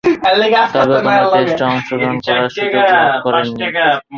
তবে, কোন টেস্টে অংশগ্রহণ করার সুযোগ লাভ করেননি।